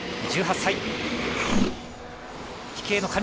１８歳。